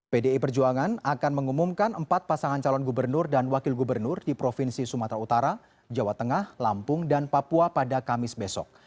pdi perjuangan akan mengumumkan empat pasangan calon gubernur dan wakil gubernur di provinsi sumatera utara jawa tengah lampung dan papua pada kamis besok